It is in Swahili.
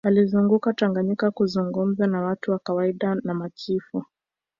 alizunguka tanganyika kuzungumza na watu wa kawaida na machifu